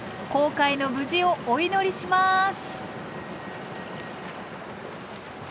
航海の無事をお祈りします。